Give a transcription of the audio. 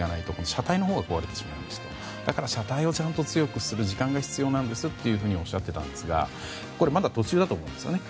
車体のほうが壊れてしまうと車体をちゃんと強くする時間が必要なんですとおっしゃっていたんですがまだ途中だと思うんですよね。